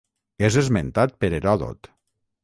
És esmentat per Heròdot.